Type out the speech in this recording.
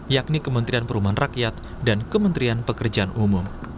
yakni kementerian perumahan rakyat dan kementerian pekerjaan umum